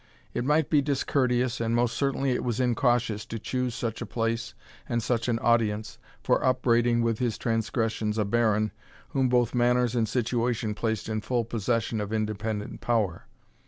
It might be discourteous, and most certainly it was incautious, to choose such a place and such an audience, for upbraiding with his transgressions a baron, whom both manners and situation placed in full possession of independent power.